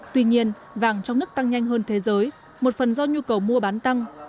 tuy nhiên vàng trong nước tăng nhanh hơn thế giới một phần do nhu cầu mua bán tăng